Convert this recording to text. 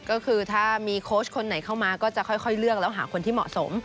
ก็คือถ้ามีโค้ชคนไหนเข้ามาก็จะค่อยเลือกแล้วหาคนที่เหมาะสม